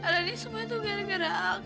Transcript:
rani semua itu gara gara aku